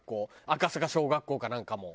赤坂小学校かなんかも。